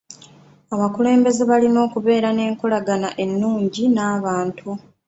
Abakulembeze balina okubeera nenkolagana ennungi n'abantu.